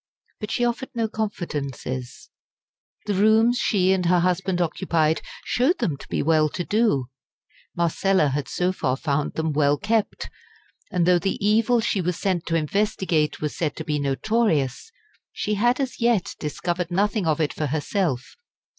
But she offered no confidences; the rooms she and her husband occupied showed them to be well to do; Marcella had so far found them well kept; and though the evil she was sent to investigate was said to be notorious, she had as yet discovered nothing of it for herself.